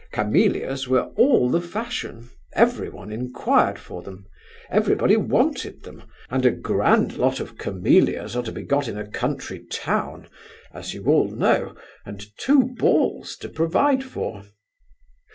Camellias were all the fashion. Everyone inquired for them, everybody wanted them; and a grand lot of camellias are to be got in a country town—as you all know—and two balls to provide for!